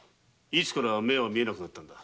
いつから目は見えなくなったんだ？